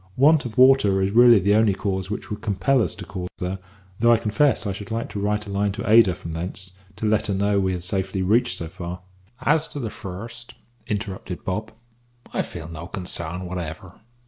Want of water is really the only cause which would compel us to call there, though I confess I should like to write a line to Ada from thence, to let her know we had safely reached so far " "As to the first," interrupted Bob, "I feel no consarn whatever.